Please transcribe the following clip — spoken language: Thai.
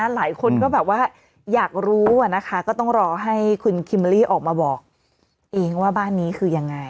หลายคนก็แบบว่าอยากรู้ก็ต้องรอให้คุณคิมเบอร์รี่ออกมาบอกเองว่าบ้านนี้คือยังไง